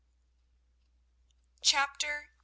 Chapter II.